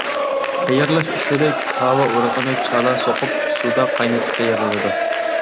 تەييارلاش ئۇسۇلى: كاۋا ئۇرۇقىنى چالا سوقۇپ، سۇدا قاينىتىپ تەييارلىنىدۇ.